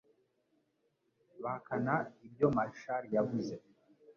bahakana ibyo Marshall yavuze